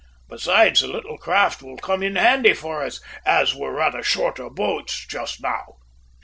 Besides, the little craft will come in handy for us, as we're rather short of boats just now!"